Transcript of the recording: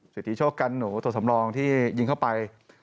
สิทธิโชคกันหนูตัวสำรองที่ยิงเข้าไป